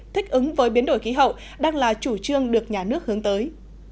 thích ứng với biến đổi khí hậu đang là chủ trương được nhà nước hướng tới